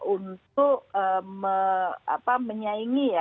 untuk menyaingi ya